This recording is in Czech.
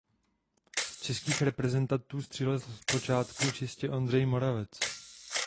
Z českých reprezentantů střílel zpočátku čistě Ondřej Moravec.